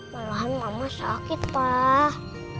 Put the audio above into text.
malahan mama sakit pak